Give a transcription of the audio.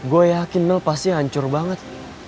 gue yakin mel pasti hancur banget